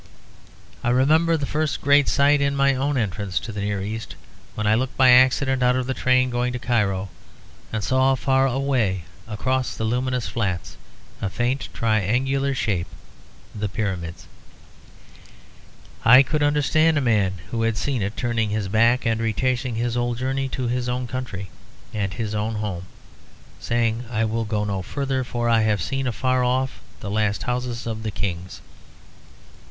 I remember the first great sight in my own entrance to the Near East, when I looked by accident out of the train going to Cairo, and saw far away across the luminous flats a faint triangular shape; the Pyramids. I could understand a man who had seen it turning his back and retracing his whole journey to his own country and his own home, saying, "I will go no further; for I have seen afar off the last houses of the kings."